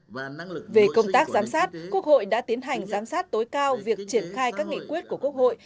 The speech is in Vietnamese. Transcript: về công tác giám sát quốc hội đã tiến hành giám sát tối cao việc triển khai các nghị quyết của quốc hội